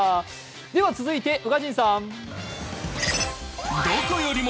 では続いて、宇賀神さん。